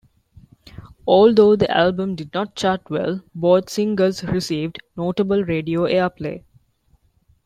Although the album did not chart well, both singles received notable radio airplay.